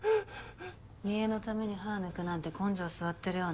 見栄のために歯抜くなんて根性据わってるよ